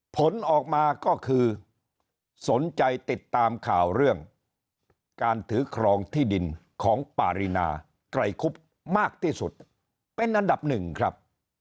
ผลออกมาก็คือสนใจติดตามข่าวเรื่องการถือครองที่ดินของปารีนาไกรคุบมากที่สุดเป็นอันดับหนึ่งครับ